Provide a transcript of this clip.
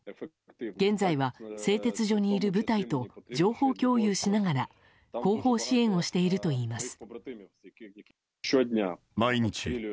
現在は製鉄所にいる部隊と情報共有しながら後方支援をしているといいます。